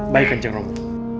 baik kanjeng ramu